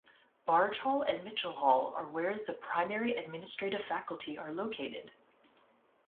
Barge Hall and Mitchell Hall are where the primary administrative faculty are located.